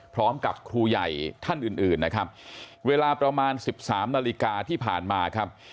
พร้อมกับครูใหญ่ท่านอื่นนะครับเวลาประมาณ๑๓นาฬิกาที่ผ่านมาครับ